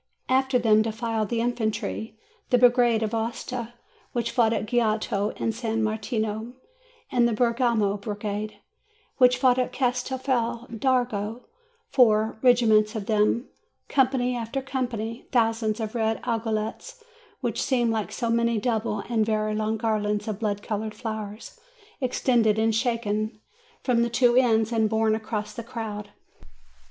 After them defiled the infantry, the brigade of Aosta, which fought at Goito and at San Martino, and the Bergamo brigade, which fought at Castelfi dardo, four regiments of them, company after com pany, thousands of red aiguillettes, which seemed like so many double and very long garlands of blood colored flowers, extended and shaken from the two ends, and borne across the crowd.